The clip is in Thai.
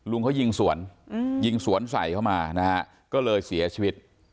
ลุงเขายิงสวนยิงสวนใส่เข้ามานะฮะก็เลยเสียชีวิต